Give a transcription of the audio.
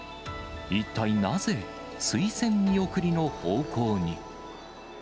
一体なぜ、推薦見送りの方向に。